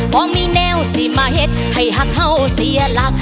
พอมีแนวสิมาเห็ดให้หักเห่าเสียหลัก